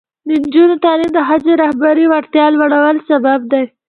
د نجونو تعلیم د ښځو رهبري وړتیا لوړولو سبب دی.